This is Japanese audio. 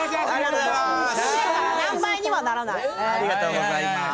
・ありがとうございます。